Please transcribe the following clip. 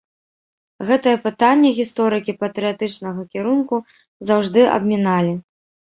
Гэтае пытанне гісторыкі патрыятычнага кірунку заўжды абміналі.